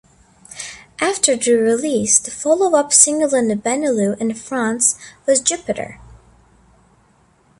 After the release, the follow-up single in the Benelux and France was "Jupiter".